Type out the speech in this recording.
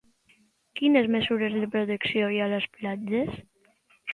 Quines mesures de protecció hi ha a les platges?